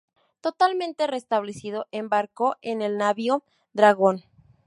Totalmente restablecido, embarcó en el navío "Dragón".